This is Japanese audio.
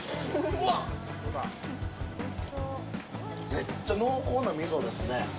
めっちゃ濃厚な味噌ですね。